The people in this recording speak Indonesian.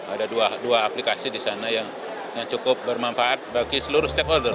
ada dua aplikasi di sana yang cukup bermanfaat bagi seluruh stakeholder